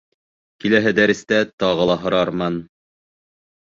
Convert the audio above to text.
Киләһе дәрестә тағы ла һорармын